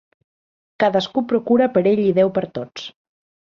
Cadascú procura per ell i Déu per tots.